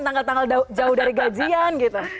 tanggal tanggal jauh dari gajian gitu